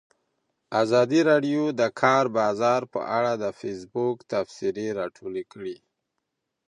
ازادي راډیو د د کار بازار په اړه د فیسبوک تبصرې راټولې کړي.